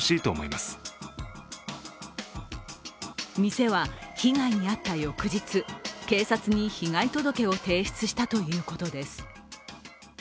店は被害に遭った翌日、警察に被害届を提出したということです。